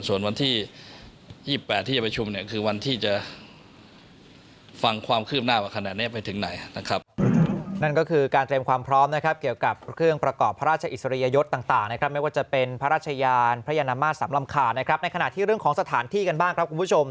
ส่วนวันที่๒๘ที่จะประชุมเนี่ยคือวันที่จะฟังความคืบหน้าไปขนาดนี้ไปถึงไหนนะครับ